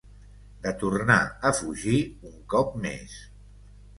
De tornar a fugir, un cop més.